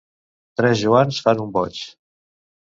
Tres Joans fan un boig.